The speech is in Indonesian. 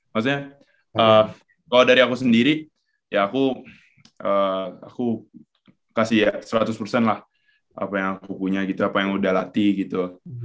maksudnya kalau dari aku sendiri ya aku kasih ya seratus persen lah apa yang aku punya gitu apa yang udah latih gitu